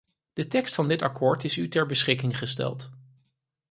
De tekst van dit akkoord is u ter beschikking gesteld.